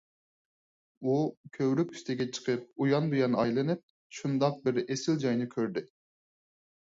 ئۇ كۆۋرۈك ئۈستىگە چىقىپ ئۇيان - بۇيان ئايلىنىپ، شۇنداق بىر ئېسىل جاينى كۆردى.